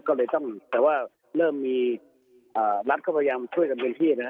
ก็เลยต้องแต่ว่าเริ่มมีรัฐก็พยายามช่วยกันเต็มที่นะฮะ